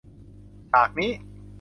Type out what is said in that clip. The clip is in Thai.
ฉากนี้